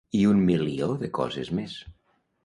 I un milió de coses més.